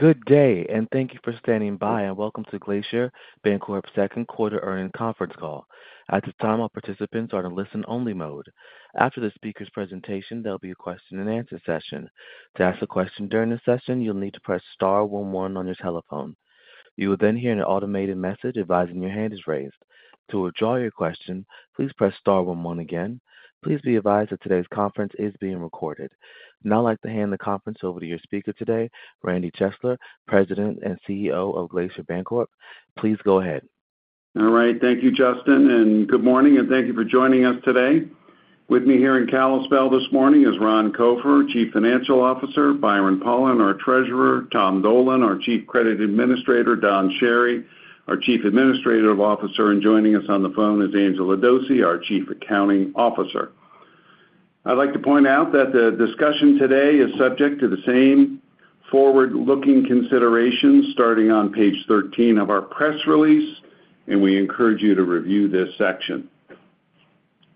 Good day, and thank you for standing by, and welcome to Glacier Bancorp's Second Quarter Earnings Conference Call. At this time, all participants are in a listen-only mode. After the speaker's presentation, there'll be a question-and-answer session. To ask a question during the session, you'll need to press star one one on your telephone. You will then hear an automated message advising your hand is raised. To withdraw your question, please press star one one again. Please be advised that today's conference is being recorded. Now, I'd like to hand the conference over to your speaker today, Randy Chesler, President and CEO of Glacier Bancorp. Please go ahead. All right. Thank you, Justin, and good morning, and thank you for joining us today. With me here in Kalispell this morning is Ron Copher, Chief Financial Officer, Byron Pollan, our Treasurer, Tom Dolan, our Chief Credit Administrator, Don Chery, our Chief Administrative Officer, and joining us on the phone is Angela Dose, our Chief Accounting Officer. I'd like to point out that the discussion today is subject to the same forward-looking considerations starting on page 13 of our press release, and we encourage you to review this section.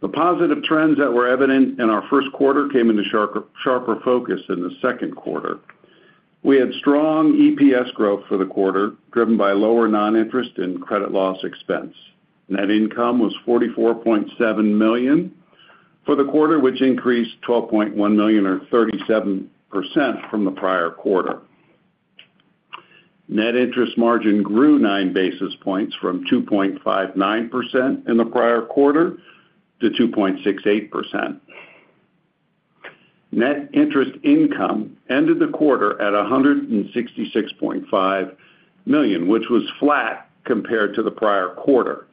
The positive trends that were evident in our first quarter came into sharper, sharper focus in the second quarter. We had strong EPS growth for the quarter, driven by lower non-interest and credit loss expense. Net income was $44.7 million for the quarter, which increased $12.1 million, or 37% from the prior quarter. Net interest margin grew 9 basis points from 2.59% in the prior quarter to 2.68%. Net interest income ended the quarter at $166.5 million, which was flat compared to the prior quarter.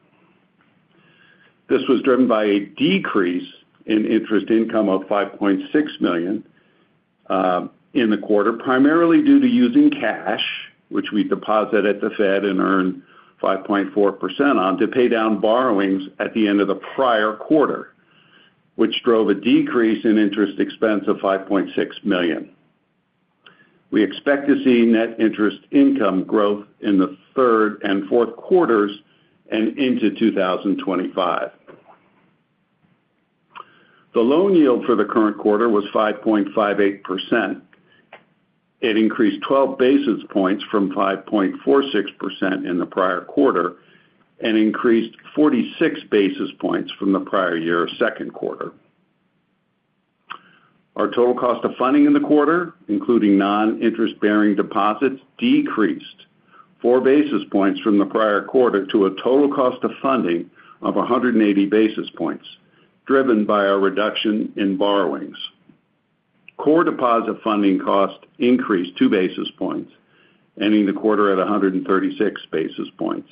This was driven by a decrease in interest income of $5.6 million in the quarter, primarily due to using cash, which we deposit at the Fed and earn 5.4% on, to pay down borrowings at the end of the prior quarter, which drove a decrease in interest expense of $5.6 million. We expect to see net interest income growth in the third and fourth quarters and into 2025. The loan yield for the current quarter was 5.58%. It increased 12 basis points from 5.46% in the prior quarter and increased 46 basis points from the prior year's second quarter. Our total cost of funding in the quarter, including non-interest-bearing deposits, decreased 4 basis points from the prior quarter to a total cost of funding of 180 basis points, driven by a reduction in borrowings. Core deposit funding cost increased 2 basis points, ending the quarter at 136 basis points.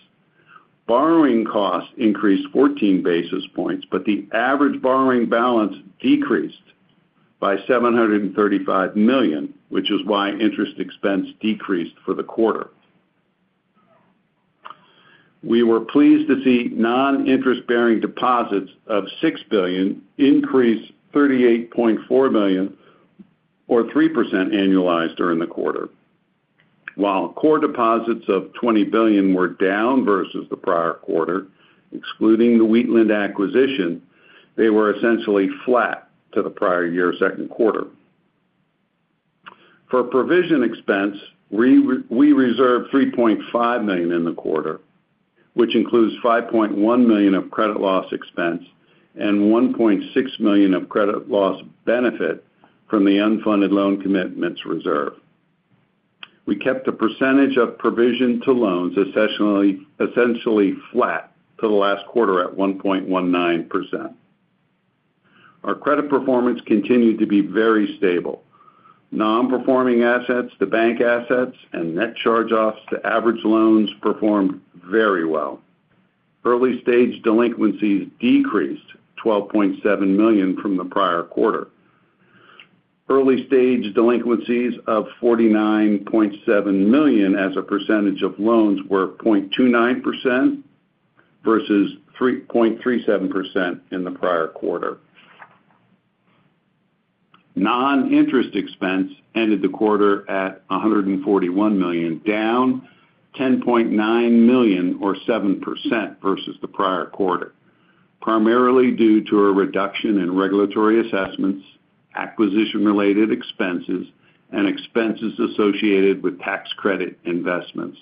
Borrowing costs increased 14 basis points, but the average borrowing balance decreased by $735 million, which is why interest expense decreased for the quarter. We were pleased to see non-interest-bearing deposits of $6 billion increase $38.4 million, or 3% annualized during the quarter. While core deposits of $20 billion were down versus the prior quarter, excluding the Wheatland acquisition, they were essentially flat to the prior year's second quarter. For provision expense, we reserved $3.5 million in the quarter, which includes $5.1 million of credit loss expense and $1.6 million of credit loss benefit from the unfunded loan commitments reserve. We kept the percentage of provision to loans essentially flat to the last quarter at 1.19%. Our credit performance continued to be very stable. Non-performing assets to bank assets and net charge-offs to average loans performed very well. Early-stage delinquencies decreased $12.7 million from the prior quarter. Early-stage delinquencies of $49.7 million as a percentage of loans were 0.29% versus 3.37% in the prior quarter. Non-interest expense ended the quarter at $141 million, down $10.9 million, or 7% versus the prior quarter, primarily due to a reduction in regulatory assessments, acquisition-related expenses, and expenses associated with tax credit investments.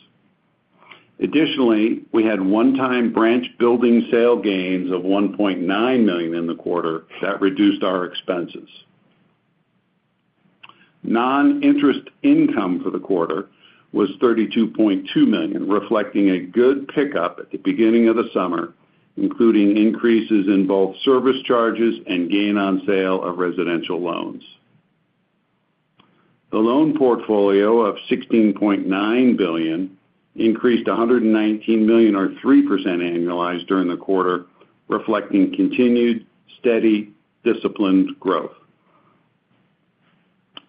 Additionally, we had one-time branch building sale gains of $1.9 million in the quarter. That reduced our expenses. Non-interest income for the quarter was $32.2 million, reflecting a good pickup at the beginning of the summer, including increases in both service charges and gain on sale of residential loans. The loan portfolio of $16.9 billion increased $119 million, or 3% annualized during the quarter, reflecting continued, steady, disciplined growth.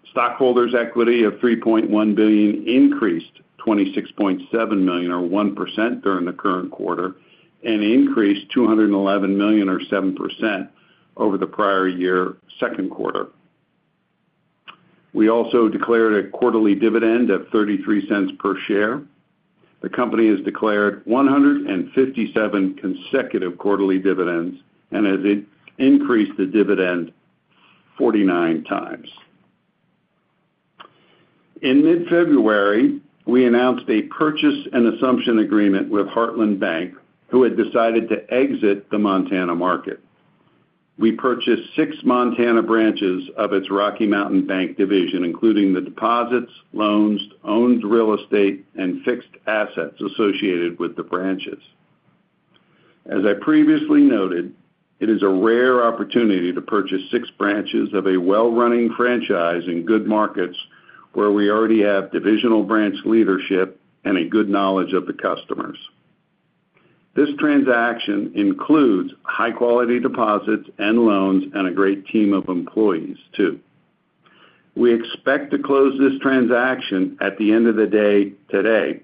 Stockholders' equity of $3.1 billion increased $26.7 million, or 1%, during the current quarter and increased $211 million, or 7%, over the prior year's second quarter. We also declared a quarterly dividend of $0.33 per share. The company has declared 157 consecutive quarterly dividends and has increased the dividend 49 times. In mid-February, we announced a purchase and assumption agreement with Heartland Bank, who had decided to exit the Montana market. We purchased six Montana branches of its Rocky Mountain Bank division, including the deposits, loans, owned real estate, and fixed assets associated with the branches. As I previously noted, it is a rare opportunity to purchase six branches of a well-running franchise in good markets where we already have divisional branch leadership and a good knowledge of the customers. This transaction includes high-quality deposits and loans and a great team of employees, too. We expect to close this transaction at the end of the day today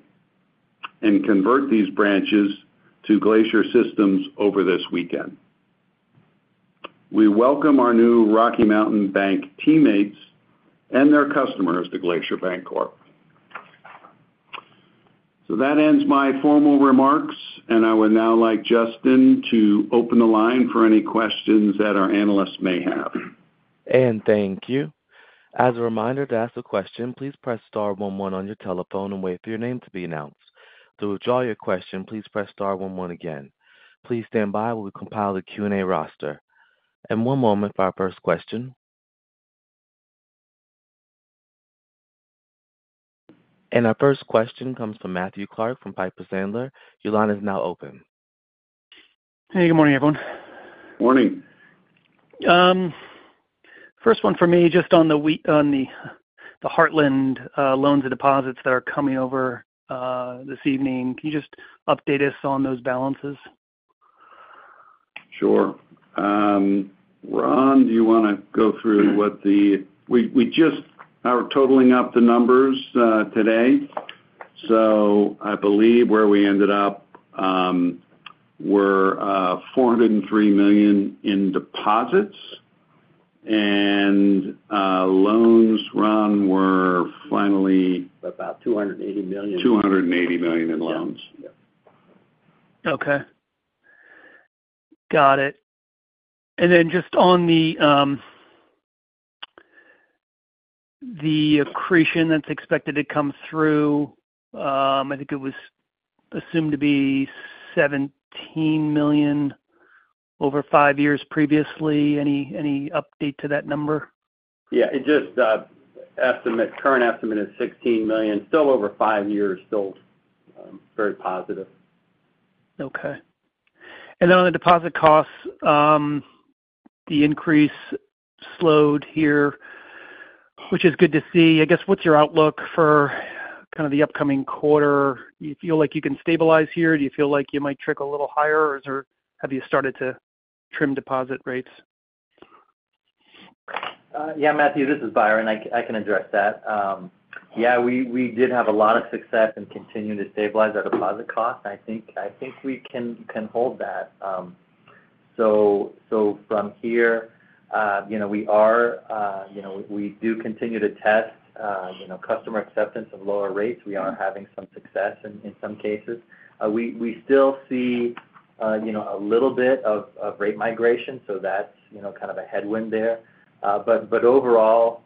and convert these branches to Glacier systems over this weekend. We welcome our new Rocky Mountain Bank teammates and their customers to Glacier Bancorp. That ends my formal remarks, and I would now like Justin to open the line for any questions that our analysts may have. And thank you. As a reminder, to ask a question, please press star one one on your telephone and wait for your name to be announced. To withdraw your question, please press star one one again. Please stand by while we compile the Q&A roster. And one moment for our first question. And our first question comes from Matthew Clark from Piper Sandler. Your line is now open. Hey, good morning, everyone. Morning. First one for me, just on the Heartland loans and deposits that are coming over this evening. Can you just update us on those balances? Sure. Ron, do you want to go through what the—we just are totaling up the numbers today. So I believe where we ended up, we're $403 million in deposits, and loans, Ron, were finally- About $280 million. $280 million in loans. Yeah. Okay. Got it. And then just on the accretion that's expected to come through, I think it was assumed to be $17 million over five years previously. Any update to that number? Yeah, it just, estimate, current estimate is $16 million, still over five years, still, very positive. Okay. And then on the deposit costs, the increase slowed here, which is good to see. I guess, what's your outlook for kind of the upcoming quarter? Do you feel like you can stabilize here? Do you feel like you might tick a little higher, or have you started to trim deposit rates? Yeah, Matthew, this is Byron. I can address that. Yeah, we did have a lot of success in continuing to stabilize our deposit costs. I think we can hold that. So from here, you know, we are, you know, we do continue to test, you know, customer acceptance of lower rates. We are having some success in some cases. We still see, you know, a little bit of rate migration, so that's, you know, kind of a headwind there. But overall,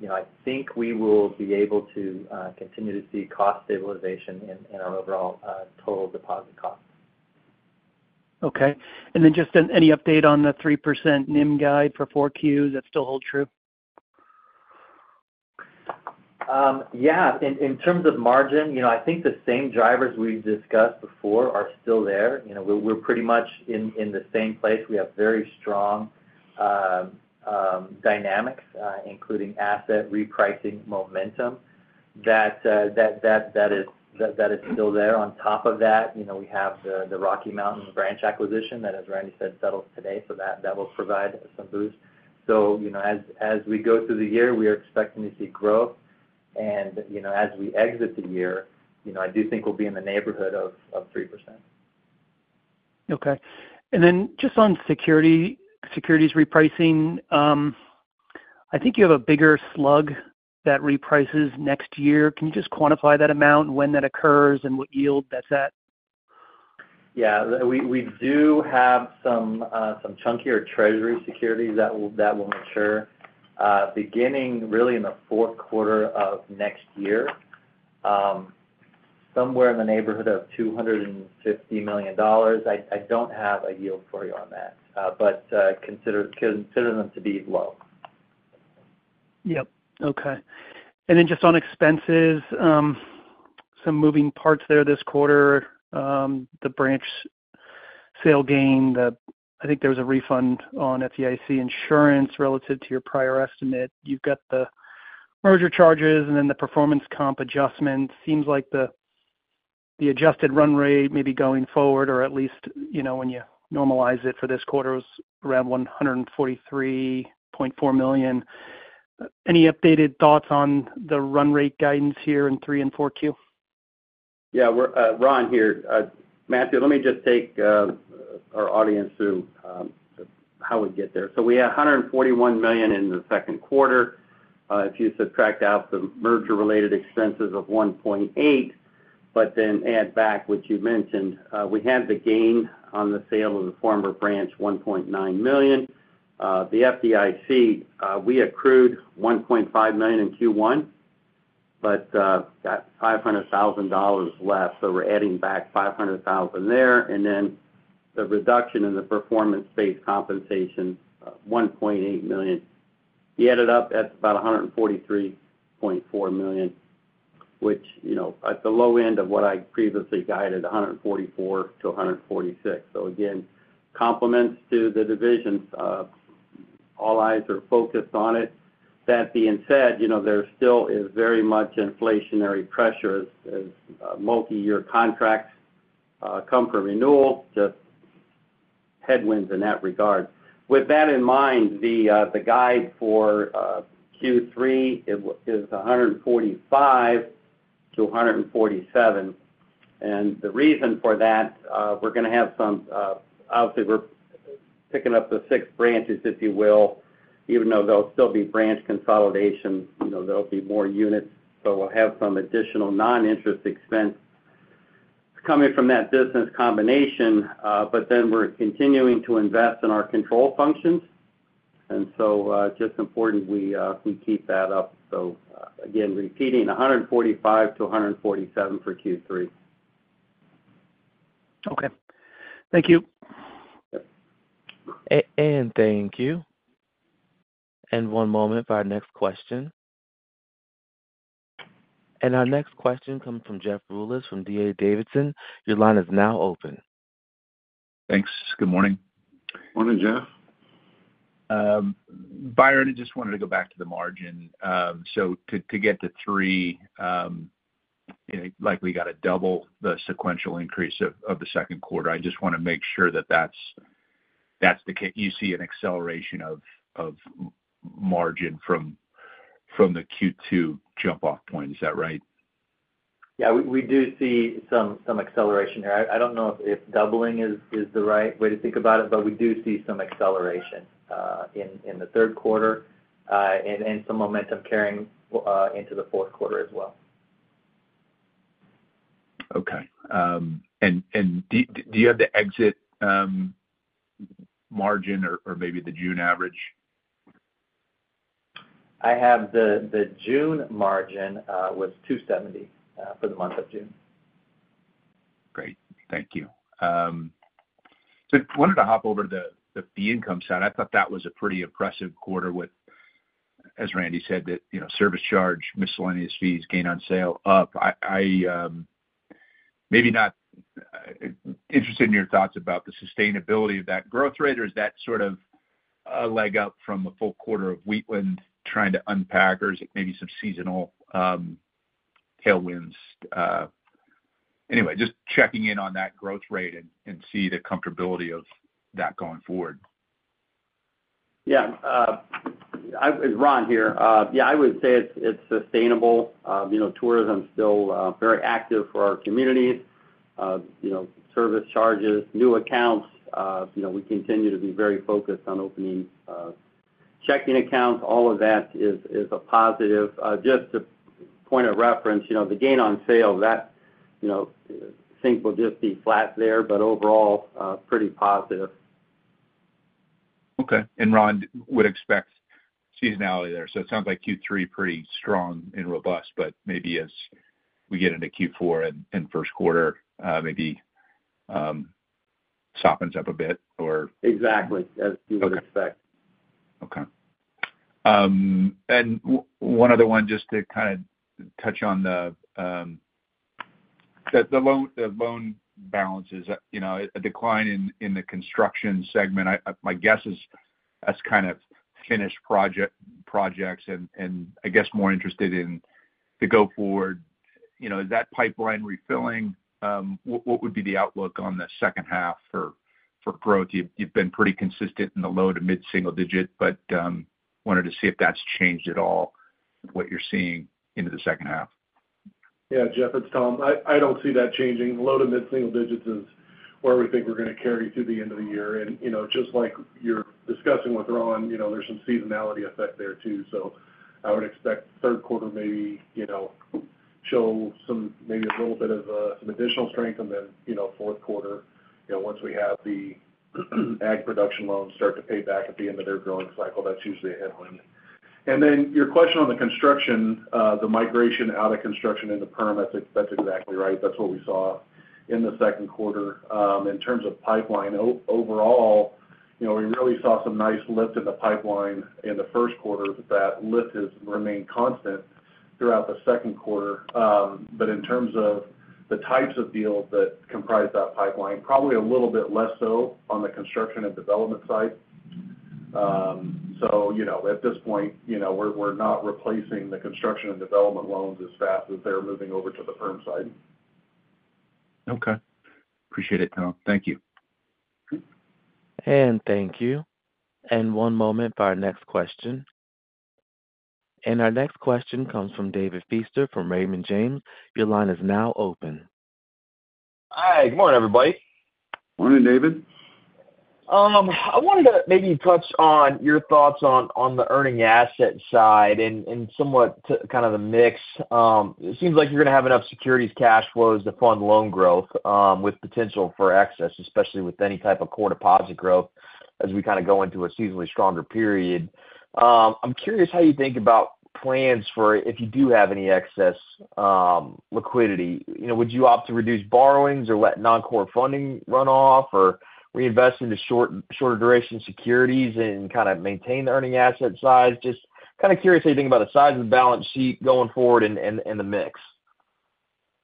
you know, I think we will be able to continue to see cost stabilization in our overall total deposit costs. Okay. And then just any update on the 3% NIM guide for 4Q? Does that still hold true? Yeah, in terms of margin, you know, I think the same drivers we've discussed before are still there. You know, we're pretty much in the same place. We have very strong dynamics, including asset repricing momentum that is still there. On top of that, you know, we have the Rocky Mountain branch acquisition that, as Randy said, settles today, so that will provide some boost. You know, as we go through the year, we are expecting to see growth. You know, as we exit the year, you know, I do think we'll be in the neighborhood of 3%. Okay. And then just on security, securities repricing, I think you have a bigger slug that reprices next year. Can you just quantify that amount, when that occurs, and what yield that's at? Yeah, we do have some chunkier Treasury securities that will mature beginning really in the fourth quarter of next year, somewhere in the neighborhood of $250 million. I don't have a yield for you on that, but consider them to be low. Yep. Okay. And then just on expenses, some moving parts there this quarter, the branch sale gain, the—I think there was a refund on FDIC insurance relative to your prior estimate. You've got the merger charges and then the performance comp adjustment. Seems like the adjusted run rate may be going forward, or at least, you know, when you normalize it for this quarter, it was around $143.4 million. Any updated thoughts on the run rate guidance here in 3Q and 4Q? Yeah, we're Ron here. Matthew, let me just take.... our audience through how we get there. So we had $141 million in the second quarter. If you subtract out the merger-related expenses of $1.8 million, but then add back, which you mentioned, we had the gain on the sale of the former branch, $1.9 million. The FDIC, we accrued $1.5 million in Q1, but that $500,000 less, so we're adding back $500,000 there, and then the reduction in the performance-based compensation, $1.8 million. You add it up, that's about $143.4 million, which, you know, at the low end of what I previously guided, $144 million-$146 million. So again, compliments to the divisions. All eyes are focused on it. That being said, you know, there still is very much inflationary pressure as multiyear contracts come for renewal, just headwinds in that regard. With that in mind, the guide for Q3 is 145 to 147. And the reason for that, we're gonna have some, obviously, we're picking up the 6 branches, if you will, even though there'll still be branch consolidation, you know, there'll be more units, so we'll have some additional non-interest expense coming from that business combination. But then we're continuing to invest in our control functions, and so just important we keep that up. So again, repeating, 145-147 for Q3. Okay. Thank you. And thank you. One moment for our next question. Our next question comes from Jeff Rulis from D.A. Davidson. Your line is now open. Thanks. Good morning. Morning, Jeff. Byron, I just wanted to go back to the margin. So to get to three, like, we got to double the sequential increase of the second quarter. I just want to make sure that that's the case you see an acceleration of margin from the Q2 jump-off point. Is that right? Yeah, we do see some acceleration there. I don't know if doubling is the right way to think about it, but we do see some acceleration in the third quarter, and some momentum carrying into the fourth quarter as well. Okay. And do you have the exit margin or maybe the June average? I have the June margin was 2.70% for the month of June. Great. Thank you. So wanted to hop over to the fee income side. I thought that was a pretty impressive quarter with, as Randy said, that, you know, service charge, miscellaneous fees, gain on sale, up. I, I, maybe not, interested in your thoughts about the sustainability of that growth rate, or is that sort of a leg up from a full quarter of Wheatland trying to unpack, or is it maybe some seasonal tailwinds. Anyway, just checking in on that growth rate and see the comfortability of that going forward. Yeah. It's Ron here. Yeah, I would say it's sustainable. You know, tourism is still very active for our communities. You know, service charges, new accounts, you know, we continue to be very focused on opening checking accounts. All of that is a positive. Just a point of reference, you know, the gain on sale, that, you know, I think will just be flat there, but overall, pretty positive. Okay. And Ron, would expect seasonality there. So it sounds like Q3, pretty strong and robust, but maybe as we get into Q4 and first quarter, maybe softens up a bit or- Exactly. As you would expect. Okay. And one other one, just to kind of touch on the loan balances. You know, a decline in the construction segment. My guess is that's kind of finished projects and I guess more interested in the go forward. You know, is that pipeline refilling? What would be the outlook on the second half for growth? You've been pretty consistent in the low- to mid-single-digit, but wanted to see if that's changed at all, what you're seeing into the second half? Yeah, Jeff, it's Tom. I, I don't see that changing. Low to mid-single digits is where we think we're going to carry through the end of the year. And, you know, just like you're discussing with Ron, you know, there's some seasonality effect there, too. So I would expect third quarter maybe, you know, show some-- maybe a little bit of some additional strength, and then, you know, fourth quarter, you know, once we have the ag production loans start to pay back at the end of their growing cycle, that's usually a headwind. And then your question on the construction, the migration out of construction into perm, that's, that's exactly right. That's what we saw in the second quarter. In terms of pipeline, overall, you know, we really saw some nice lift in the pipeline in the first quarter. That lift has remained constant throughout the second quarter. But in terms of the types of deals that comprise that pipeline, probably a little bit less so on the construction and development side. So, you know, at this point, you know, we're, we're not replacing the construction and development loans as fast as they're moving over to the perm side. Okay. Appreciate it, Tom. Thank you. Thank you. One moment for our next question. Our next question comes from David Feaster from Raymond James. Your line is now open. Hi, good morning, everybody. Morning, David. I wanted to maybe touch on your thoughts on the earning asset side and somewhat to kind of the mix. It seems like you're gonna have enough securities cash flows to fund loan growth, with potential for excess, especially with any type of core deposit growth as we kind of go into a seasonally stronger period. I'm curious how you think about plans for if you do have any excess liquidity. You know, would you opt to reduce borrowings or let non-core funding run off, or reinvest into shorter duration securities and kind of maintain the earning asset size? Just kind of curious how you think about the size of the balance sheet going forward and the mix?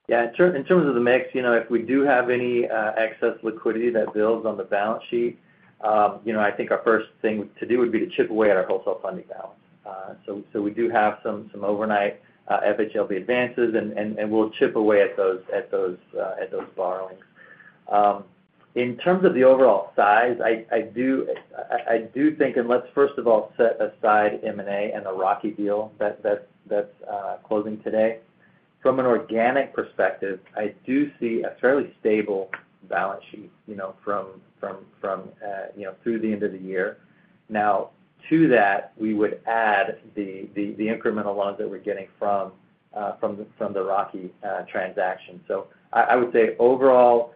Yeah. In terms of the mix, you know, if we do have any excess liquidity that builds on the balance sheet, you know, I think our first thing to do would be to chip away at our wholesale funding balance. So we do have some overnight FHLB advances, and we'll chip away at those borrowings. In terms of the overall size, I do think, and let's first of all set aside M&A and the Rocky deal that's closing today. From an organic perspective, I do see a fairly stable balance sheet, you know, from you know, through the end of the year. Now, to that, we would add the incremental loans that we're getting from the Rocky transaction. So I would say overall,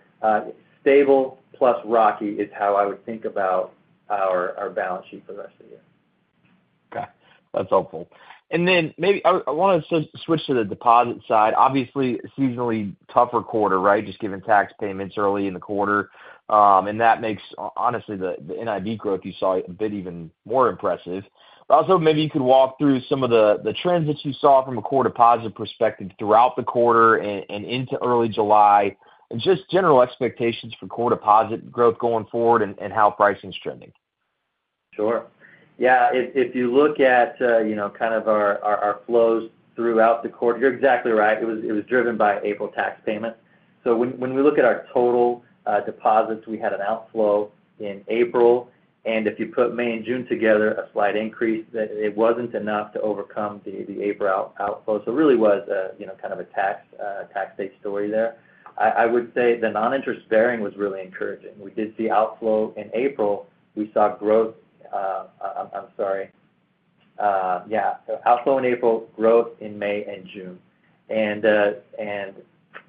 stable plus Rocky is how I would think about our balance sheet for the rest of the year. Okay. That's helpful. And then maybe I, I wanna switch to the deposit side. Obviously, a seasonally tougher quarter, right? Just given tax payments early in the quarter. And that makes honestly the NIB growth you saw a bit even more impressive. But also, maybe you could walk through some of the trends that you saw from a core deposit perspective throughout the quarter and into early July, and just general expectations for core deposit growth going forward and how pricing's trending. Sure. Yeah, if you look at, you know, kind of our flows throughout the quarter, you're exactly right. It was driven by April tax payments. So when we look at our total deposits, we had an outflow in April, and if you put May and June together, a slight increase, but it wasn't enough to overcome the April outflow. So it really was, you know, kind of a tax-based story there. I would say the non-interest bearing was really encouraging. We did see outflow in April. We saw growth, so outflow in April, growth in May and June.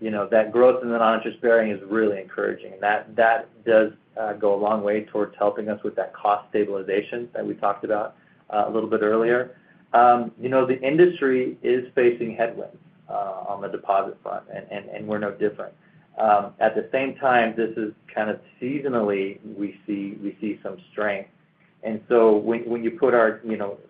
You know, that growth in the non-interest bearing is really encouraging, and that does go a long way towards helping us with that cost stabilization that we talked about a little bit earlier. You know, the industry is facing headwinds on the deposit front, and we're no different. At the same time, this is kind of seasonally, we see some strength. So when you put our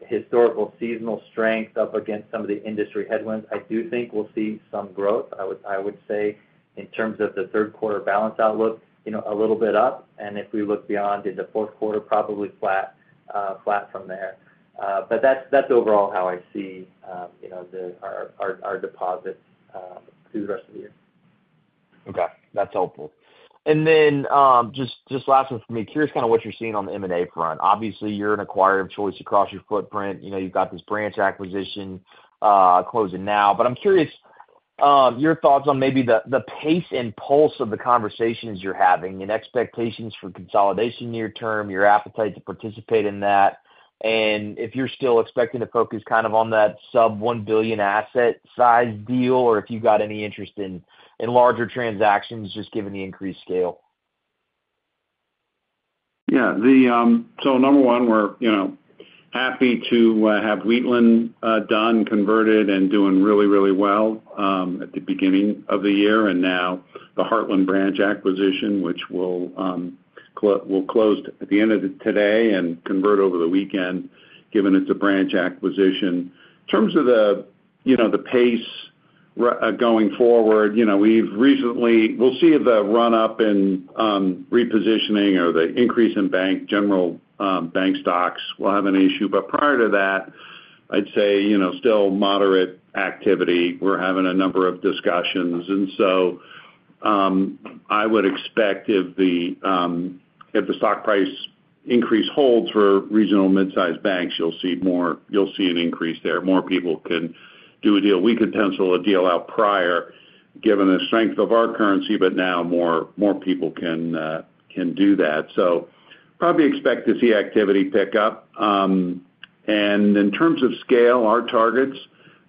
historical seasonal strength up against some of the industry headwinds, I do think we'll see some growth. I would say, in terms of the third quarter balance outlook, you know, a little bit up, and if we look beyond into fourth quarter, probably flat from there. But that's overall how I see, you know, our deposits through the rest of the year. Okay. That's helpful. And then, just last one for me. Curious kind of what you're seeing on the M&A front. Obviously, you're an acquirer of choice across your footprint. You know, you've got this branch acquisition, closing now, but I'm curious, your thoughts on maybe the pace and pulse of the conversations you're having and expectations for consolidation near term, your appetite to participate in that, and if you're still expecting to focus kind of on that sub-one billion asset size deal, or if you've got any interest in larger transactions, just given the increased scale. Yeah. So number one, we're, you know, happy to have Wheatland done, converted, and doing really, really well at the beginning of the year, and now the Heartland branch acquisition, which will close at the end of today and convert over the weekend, given it's a branch acquisition. In terms of the, you know, the pace going forward, you know, we've recently. We'll see if the run-up in repositioning or the increase in bank, general bank stocks will have an issue. But prior to that, I'd say, you know, still moderate activity. We're having a number of discussions, and so I would expect if the stock price increase holds for regional mid-sized banks, you'll see an increase there. More people can do a deal. We could pencil a deal out prior, given the strength of our currency, but now more people can do that. So probably expect to see activity pick up. And in terms of scale, our targets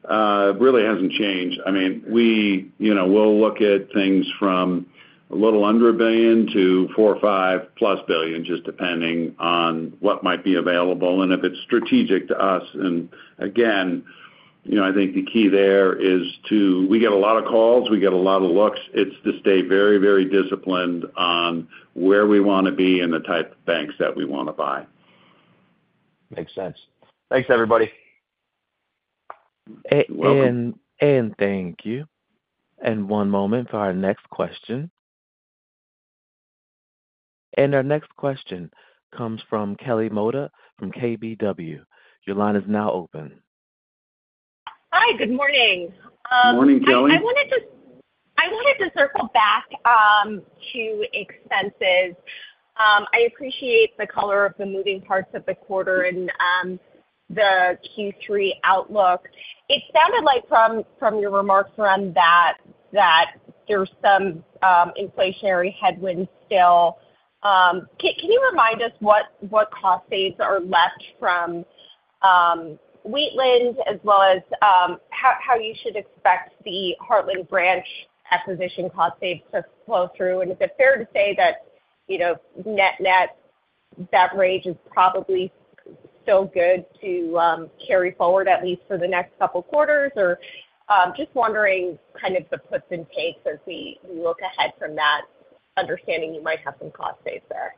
really hasn't changed. I mean, we... you know, we'll look at things from a little under $1 billion to $4-$5+ billion, just depending on what might be available and if it's strategic to us. And again, you know, I think the key there is to. We get a lot of calls, we get a lot of looks. It's to stay very, very disciplined on where we wanna be and the type of banks that we wanna buy. Makes sense. Thanks, everybody. You're welcome. And thank you. One moment for our next question. Our next question comes from Kelly Motta from KBW. Your line is now open. Hi, good morning. Morning, Kelly.... just circle back to expenses. I appreciate the color of the moving parts of the quarter and the Q3 outlook. It sounded like from your remarks around that, that there's some inflationary headwinds still. Can you remind us what cost saves are left from Wheatland, as well as how you should expect the Heartland branch acquisition cost saves to flow through? And is it fair to say that, you know, net-net, that range is probably still good to carry forward, at least for the next couple quarters? Or just wondering kind of the puts and takes as we look ahead from that understanding, you might have some cost saves there.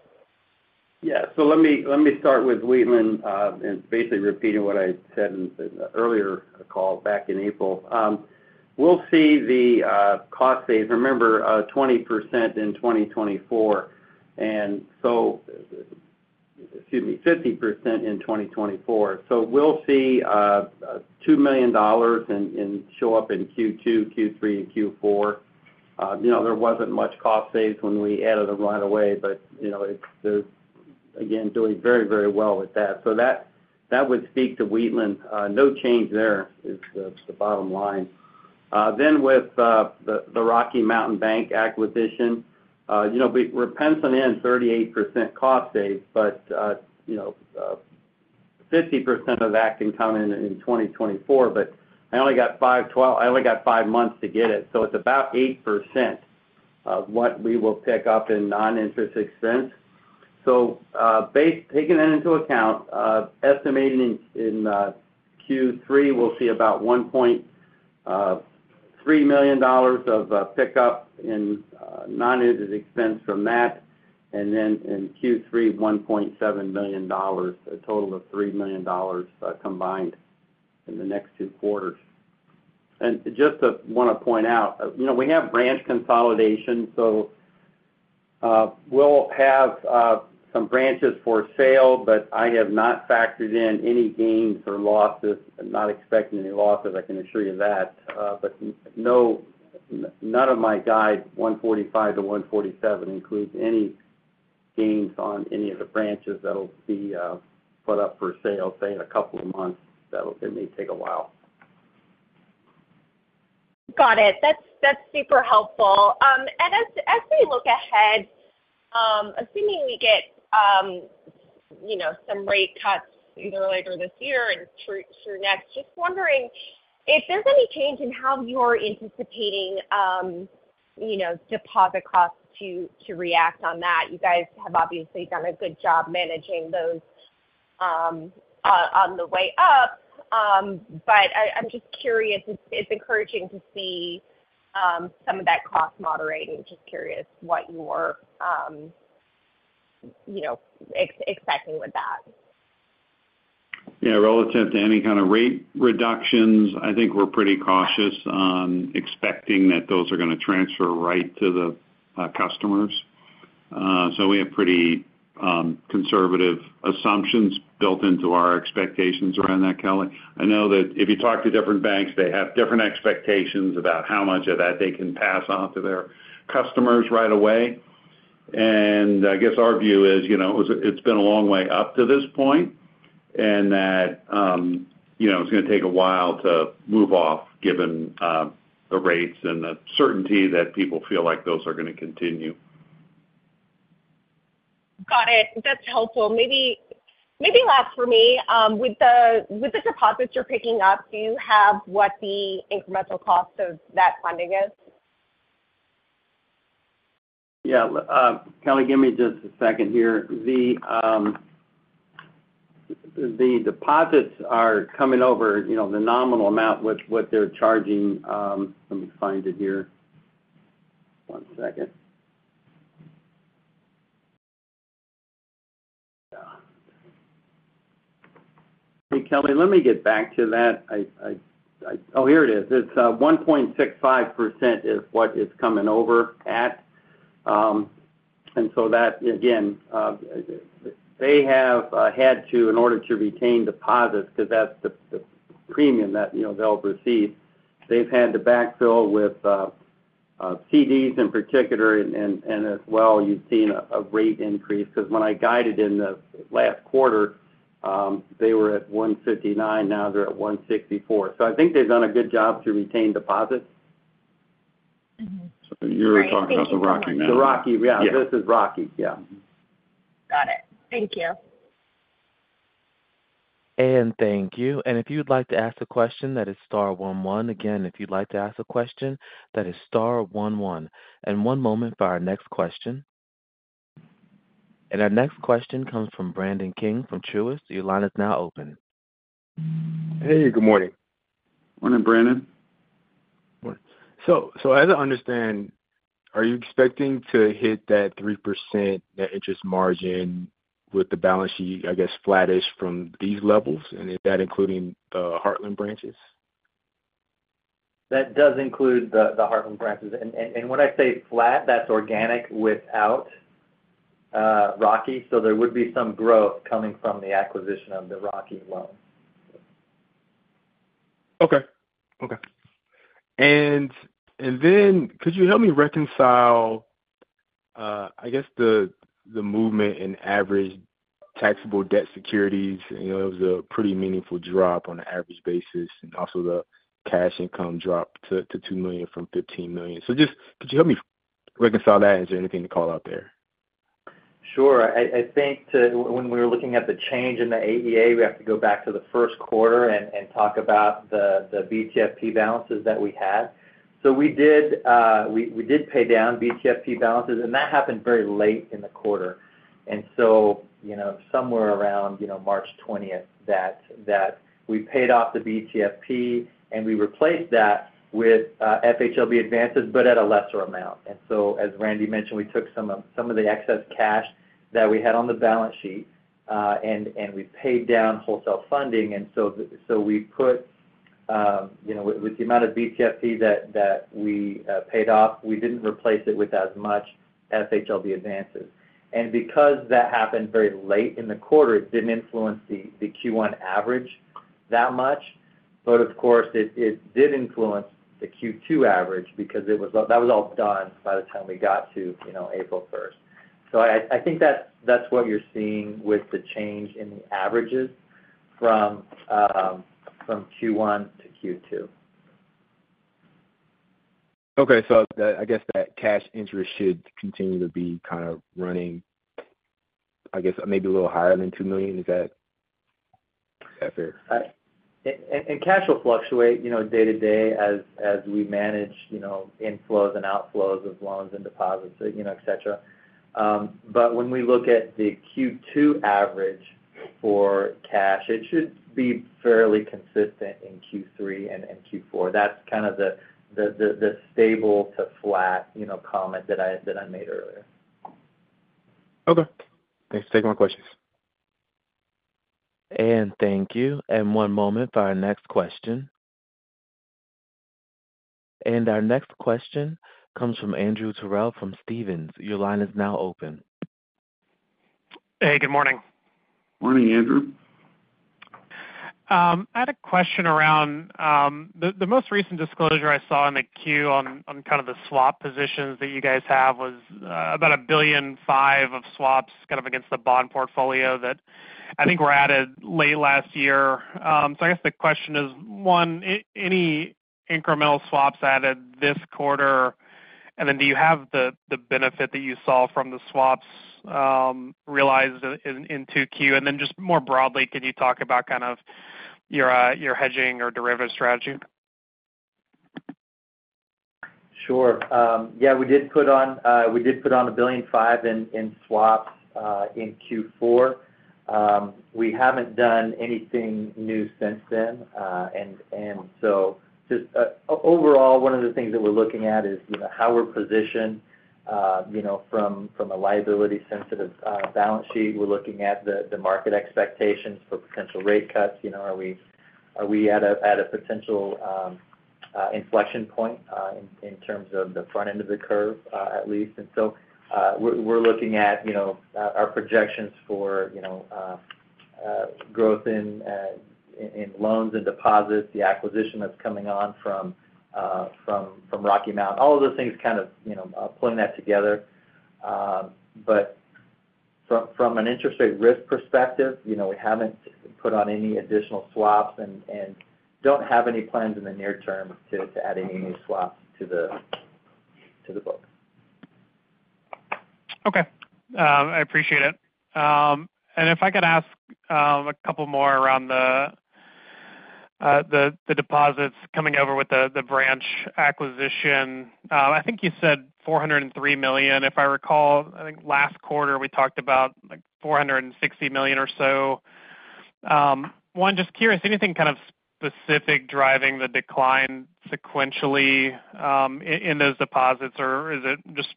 Yeah. So let me start with Wheatland and basically repeating what I said in the earlier call back in April. We'll see the cost saves, remember, 20% in 2024, and so, excuse me, 50% in 2024. So we'll see $2 million show up in Q2, Q3, and Q4. You know, there wasn't much cost saves when we added them right away, but, you know, it's, they're, again, doing very, very well with that. So that would speak to Wheatland. No change there is the bottom line. Then with the Rocky Mountain Bank acquisition, you know, we're penciling in 38% cost save, but you know, 50% of that can come in in 2024, but I only got five months to get it, so it's about 8% of what we will pick up in non-interest expense. So, taking that into account, estimating in Q3, we'll see about $1.3 million of pickup in non-interest expense from that, and then in Q4, $1.7 million, a total of $3 million combined in the next two quarters. And just wanted to point out, you know, we have branch consolidation, so we'll have some branches for sale, but I have not factored in any gains or losses. I'm not expecting any losses, I can assure you that. But none of my guide, 145-147, includes any gains on any of the branches that'll be put up for sale, say, in a couple of months. It may take a while. Got it. That's, that's super helpful. And as, as we look ahead, assuming we get, you know, some rate cuts either later this year or through, through next, just wondering if there's any change in how you're anticipating, you know, deposit costs to, to react on that. You guys have obviously done a good job managing those, on the way up. But I, I'm just curious. It's, it's encouraging to see, some of that cost moderating. Just curious what you're, you know, expecting with that. Yeah, relative to any kind of rate reductions, I think we're pretty cautious on expecting that those are gonna transfer right to the customers. So we have pretty conservative assumptions built into our expectations around that, Kelly. I know that if you talk to different banks, they have different expectations about how much of that they can pass on to their customers right away. And I guess our view is, you know, it's been a long way up to this point, and that you know, it's gonna take a while to move off, given the rates and the certainty that people feel like those are gonna continue. Got it. That's helpful. Maybe last for me, with the deposits you're picking up, do you have what the incremental cost of that funding is? Yeah. Kelly, give me just a second here. The deposits are coming over, you know, the nominal amount, which what they're charging... Let me find it here. One second. Hey, Kelly, let me get back to that. Oh, here it is. It's 1.65% is what it's coming over at. And so that, again, they have had to, in order to retain deposits, 'cause that's the premium that, you know, they'll receive, they've had to backfill with CDs in particular, and as well, you've seen a rate increase. 'Cause when I guided in the last quarter, they were at 1.59, now they're at 1.64. So I think they've done a good job to retain deposits. Mm-hmm. You're talking about the Rocky now? The Rocky, yeah. Yeah. This is Rocky, yeah. Got it. Thank you. Thank you. If you'd like to ask a question, that is star one one. Again, if you'd like to ask a question, that is star one one. One moment for our next question. Our next question comes from Brandon King from Truist. Your line is now open. Hey, good morning. Morning, Brandon. So, as I understand, are you expecting to hit that 3% net interest margin with the balance sheet, I guess, flattish from these levels? And is that including Heartland branches? That does include the Heartland branches. And when I say flat, that's organic without Rocky. So there would be some growth coming from the acquisition of the Rocky loan.... Okay. Okay. And then could you help me reconcile, I guess, the movement in average taxable debt securities? You know, it was a pretty meaningful drop on an average basis, and also the cash income dropped to $2 million from $15 million. So just could you help me reconcile that? Is there anything to call out there? Sure. I think to—when we were looking at the change in the AEA, we have to go back to the first quarter and talk about the BTFP balances that we had. So we did pay down BTFP balances, and that happened very late in the quarter. And so, you know, somewhere around, you know, March twentieth, we paid off the BTFP, and we replaced that with FHLB advances, but at a lesser amount. And so, as Randy mentioned, we took some of the excess cash that we had on the balance sheet and we paid down wholesale funding. And so we put, you know, with the amount of BTFP that we paid off, we didn't replace it with as much FHLB advances. Because that happened very late in the quarter, it didn't influence the Q1 average that much. But of course, it did influence the Q2 average because it was all done by the time we got to, you know, April first. So I think that's what you're seeing with the change in the averages from Q1 to Q2. Okay. So the, I guess, that cash interest should continue to be kind of running, I guess, maybe a little higher than $2 million. Is that, is that fair? And cash will fluctuate, you know, day to day as we manage, you know, inflows and outflows of loans and deposits, you know, et cetera. But when we look at the Q2 average for cash, it should be fairly consistent in Q3 and in Q4. That's kind of the stable to flat, you know, comment that I made earlier. Okay. Thanks taking my questions. Thank you. One moment for our next question. Our next question comes from Andrew Terrell from Stephens. Your line is now open. Hey, good morning. Morning, Andrew. I had a question around the most recent disclosure I saw in the Q on kind of the swap positions that you guys have was about $1.5 billion of swaps, kind of against the bond portfolio that I think were added late last year. So I guess the question is, one, any incremental swaps added this quarter? And then do you have the benefit that you saw from the swaps realized in 2Q? And then just more broadly, can you talk about kind of your hedging or derivative strategy? Sure. Yeah, we did put on, we did put on $1.5 billion in swaps in Q4. We haven't done anything new since then. And so just overall, one of the things that we're looking at is, you know, how we're positioned, you know, from a liability-sensitive balance sheet. We're looking at the market expectations for potential rate cuts. You know, are we at a potential inflection point in terms of the front end of the curve, at least? And so, we're looking at, you know, our projections for growth in loans and deposits, the acquisition that's coming on from Rocky Mountain. All of those things kind of, you know, pulling that together. But from an interest rate risk perspective, you know, we haven't put on any additional swaps and don't have any plans in the near term to adding any new swaps to the book. Okay. I appreciate it. And if I could ask a couple more around the deposits coming over with the branch acquisition. I think you said $403 million. If I recall, I think last quarter we talked about, like, $460 million or so. One, just curious, anything kind of specific driving the decline sequentially in those deposits? Or is it just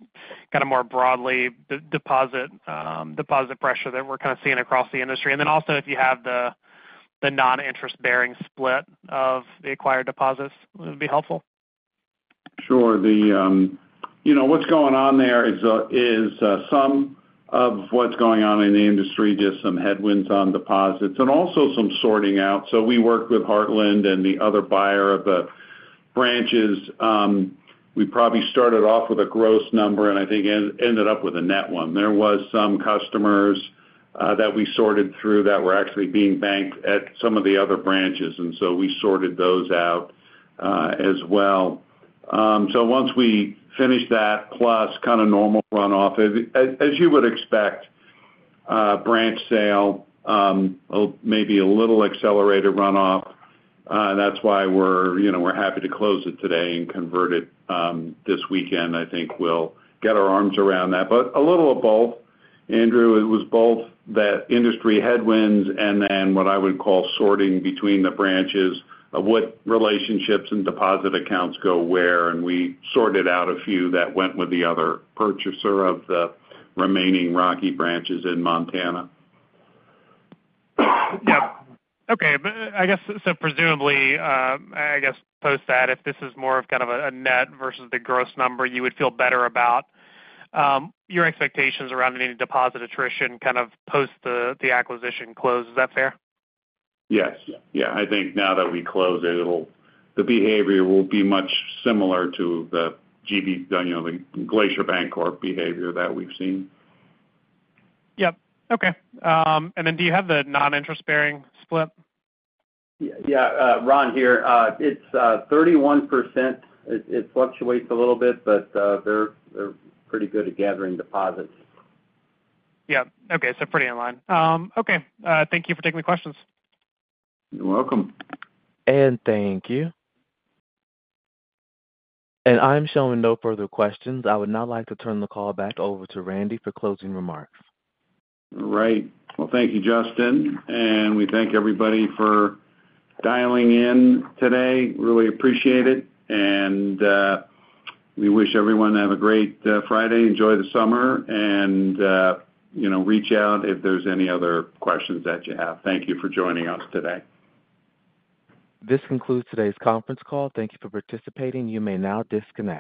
kind of more broadly deposit pressure that we're kind of seeing across the industry? And then also, if you have the non-interest-bearing split of the acquired deposits, it would be helpful. Sure. You know, what's going on there is some of what's going on in the industry, just some headwinds on deposits and also some sorting out. So we worked with Heartland and the other buyer of the branches. We probably started off with a gross number, and I think ended up with a net one. There was some customers that we sorted through that were actually being banked at some of the other branches, and so we sorted those out as well. So once we finish that, plus kind of normal runoff, as you would expect, branch sale, maybe a little accelerated runoff, that's why we're, you know, we're happy to close it today and convert it this weekend. I think we'll get our arms around that. But a little of both. Andrew, it was both that industry headwinds and what I would call sorting between the branches of what relationships and deposit accounts go where, and we sorted out a few that went with the other purchaser of the remaining Rocky branches in Montana. Yeah. Okay. But I guess, so presumably, I guess post that, if this is more of kind of a, a net versus the gross number, you would feel better about, your expectations around any deposit attrition kind of post the, the acquisition close. Is that fair? Yes. Yeah, I think now that we closed it, it'll... The behavior will be much similar to the GB, you know, the Glacier Bancorp behavior that we've seen. Yep. Okay. And then do you have the non-interest-bearing split? Yeah, Ron here. It's 31%. It fluctuates a little bit, but they're pretty good at gathering deposits. Yeah. Okay, so pretty in line. Okay. Thank you for taking the questions. You're welcome. Thank you. I'm showing no further questions. I would now like to turn the call back over to Randy for closing remarks. All right. Well, thank you, Justin, and we thank everybody for dialing in today. Really appreciate it. We wish everyone to have a great Friday. Enjoy the summer and, you know, reach out if there's any other questions that you have. Thank you for joining us today. This concludes today's conference call. Thank you for participating. You may now disconnect.